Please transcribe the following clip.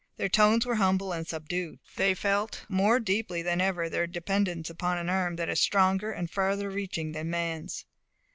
Their tones were humble and subdued. They felt more deeply than ever their dependence upon an arm that is stronger and farther reaching than man's.